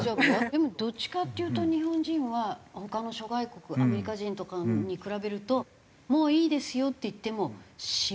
でもどっちかっていうと日本人は他の諸外国アメリカ人とかに比べるともういいですよって言ってもしますよね。